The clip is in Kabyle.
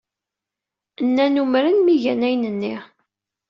Nnan umren mi gan ayen-nni.